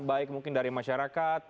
baik mungkin dari masyarakat